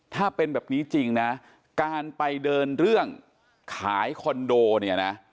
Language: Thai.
ถ้าเป็นแบบนี้จริงนะการไปเดินเรื่องขายคอนโดเนี่ยนะ